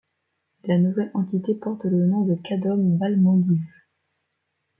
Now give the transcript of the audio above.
La nouvelle entité porte le nom de Cadum Palmolive.